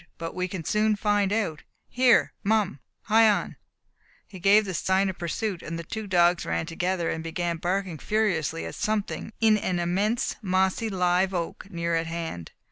"But we can soon find out. Here, Mum, hie on!" He gave the sign of pursuit, and the two dogs ran together, and began barking furiously at something in an immense mossy live oak near at hand.